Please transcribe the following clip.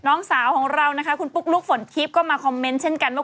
น้องสาวของเรานะคะคุณปุ๊กลุ๊กฝนทิพย์ก็มาคอมเมนต์เช่นกันว่า